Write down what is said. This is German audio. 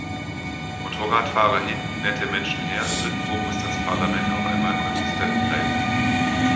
Motorradfahrer hin, nette Menschen her, irgendwo muss das Parlament auch einmal konsistent bleiben.